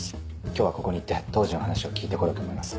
今日はここに行って当時の話を聞いて来ようと思います。